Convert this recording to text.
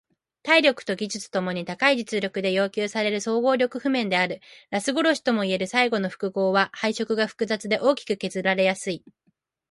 体力と技術共に高い実力で要求される総合力譜面である。ラス殺しともいえる最後の複合は配色が複雑で大きく削られやすい。